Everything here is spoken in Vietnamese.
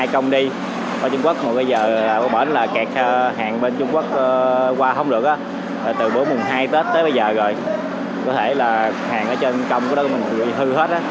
có thể là hàng ở trên công của đó bị hư hết